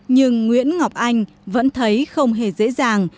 nhưng nguyễn ngọc anh vẫn thấy không hề dễ dàng